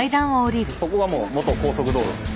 ここはもう元高速道路です。